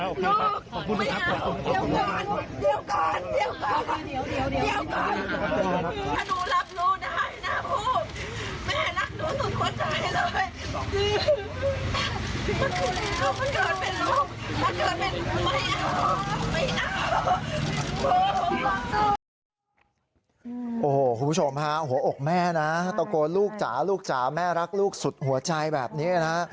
คุณผู้ชมฮะหัวอกแม่นะตะโกนลูกจ๋าลูกจ๋าแม่รักลูกสุดหัวใจแบบนี้นะฮะ